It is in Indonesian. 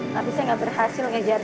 tapi saya gak berhasil ngejar dia